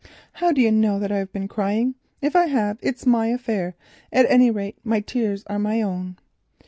"How do you know that I have been crying? If I have, it's my affair. At any rate my tears are my own."